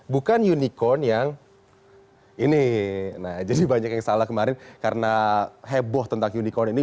bukan unicorn yang ini nah jadi banyak yang salah kemarin karena heboh tentang unicorn ini